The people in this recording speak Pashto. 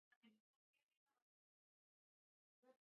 د کمپیوټر، مبایل او انټرنېټ پوهه د بریا بنسټ دی.